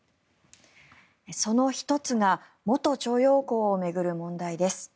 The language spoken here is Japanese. その１つが元徴用工を巡る問題です。